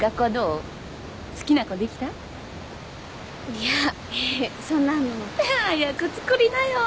いやそんなの。早くつくりなよ！